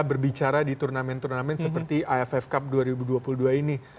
berbicara di turnamen turnamen seperti aff cup dua ribu dua puluh dua ini